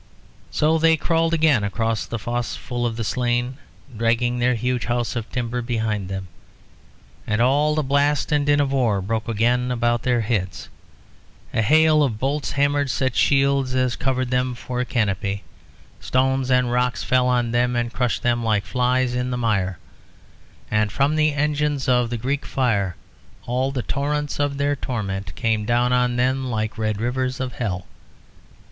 So they crawled again across the fosse full of the slain, dragging their huge house of timber behind them, and all the blast and din of war broke again about their heads. A hail of bolts hammered such shields as covered them for a canopy, stones and rocks fell on them and crushed them like flies in the mire, and from the engines of the Greek Fire all the torrents of their torment came down on them like red rivers of hell.